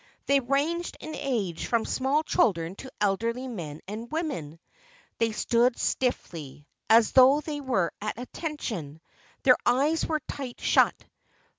They ranged in age from small children to elderly men and women. They stood stiffly, as though they were at attention. Their eyes were tight shut.